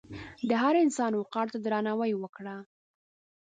د هر انسان وقار ته درناوی وکړه.